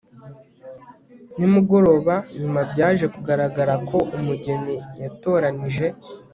nimugoroba. nyuma byaje kugaragara ko umugeni yatoranije